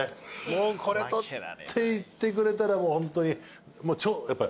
もうこれ取って行ってくれたらもうホントに。